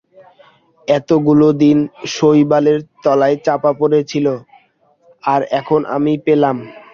এতগুলো দিন শৈবালের তলায় চাপা পড়ে ছিল, আর এখন আমি পেলাম।